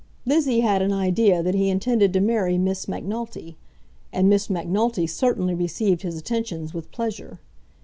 Lizzie had an idea that he intended to marry Miss Macnulty. And Miss Macnulty certainly received his attentions with pleasure.